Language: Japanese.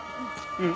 うん。